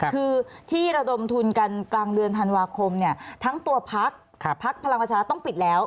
คือที่ระดมทุนกันกลางเดือนธันวาคมเนี่ยทั้งตัวพักพักพลังประชารัฐต้องปิดแล้ว